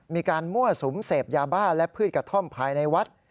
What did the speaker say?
มีการมั่วสุมเสพยาบ้าและพืชกระท่อมภายในวัด